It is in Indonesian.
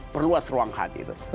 perluas ruang hati itu